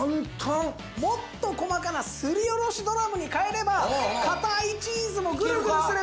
もっと細かなすり下ろしドラムに替えれば硬いチーズもグルグルすれば。